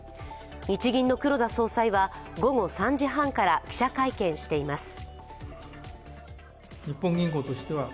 日銀の黒田総裁は午後３時半から記者会見しています